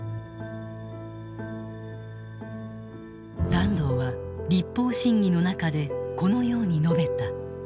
團藤は立法審議の中でこのように述べた。